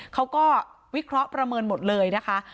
เขาก็วิเคราะห์ประเมินหมดเลยนะคะ